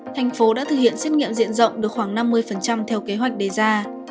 thành phố đã thực hiện xét nghiệm diện rộng được khoảng năm mươi theo kế hoạch đề ra